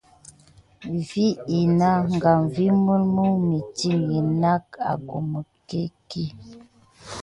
Va ina kam vi mulmu mitkine nat kuma iki.